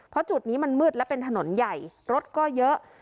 เพราะจุดนี้มันมืดและเป็นถนนใหญ่รถก็เยอะ